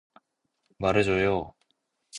말해줘요!